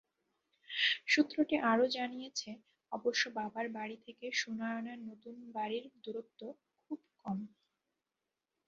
সূত্রটি আরও জানিয়েছে, অবশ্য বাবার বাড়ি থেকে সুনয়নার নতুন বাড়ির দূরত্ব খুব কম।